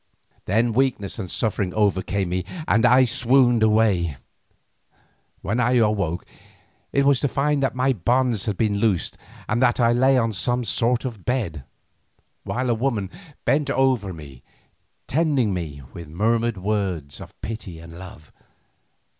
Then weakness and suffering overcame me and I swooned away. When I awoke it was to find that my bonds had been loosed and that I lay on some sort of bed, while a woman bent over me, tending me with murmured words of pity and love.